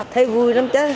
thấy vui lắm chứ